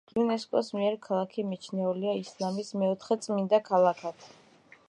იუნესკოს მიერ ქალაქი მიჩნეულია ისლამის „მეოთხე წმინდა ქალაქად“.